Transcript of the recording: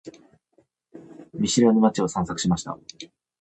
見知らぬ街を散策しました。